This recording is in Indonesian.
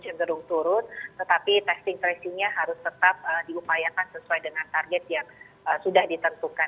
cenderung turun tetapi testing tracingnya harus tetap diupayakan sesuai dengan target yang sudah ditentukan